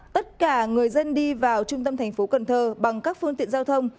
tất cả người dân đi vào trung tâm thành phố cần thơ bằng các phương tiện giao thông